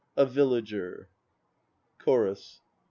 A VILLAGER. CHORUS.